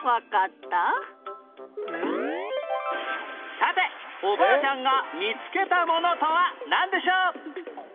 さておばあちゃんが見つけたものとはなんでしょう？